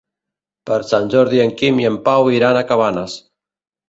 Per Sant Jordi en Quim i en Pau iran a Cabanes.